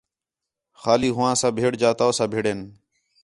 خالی ہُواں ساں بِھڑ جا تَؤ ساں بِھڑین